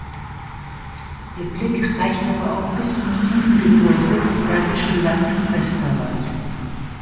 Der Blick reicht aber auch bis zum Siebengebirge, Bergischen Land und Westerwald.